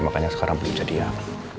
makanya sekarang belum jadian